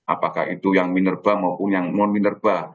apakah itu yang minerba maupun yang non minerba